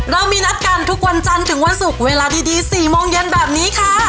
เรามีนัดกันทุกวันจันทร์ถึงวันศุกร์เวลาดี๔โมงเย็นแบบนี้ค่ะ